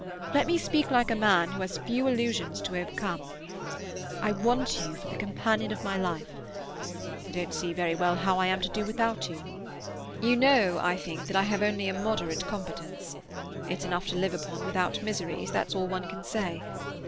Let me speak like a man who has few illusions to overcome. I want you for the companion of my life; I don't see very well how I am to do without you. You know, I think, that I have only a moderate competence; it's enough to live upon without miseries, that's all one can say.